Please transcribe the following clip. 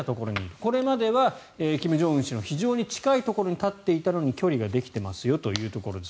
これまでは金正恩氏の非常に高いところに立っていたのに距離ができていますよというところです。